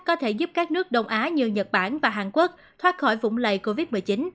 có thể giúp các nước đông á như nhật bản và hàn quốc thoát khỏi vụng lầy covid một mươi chín